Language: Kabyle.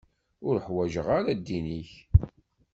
Ur ḥwaǧeɣ ara ddin-ik.